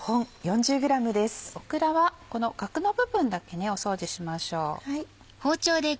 オクラはこのガクの部分だけお掃除しましょう。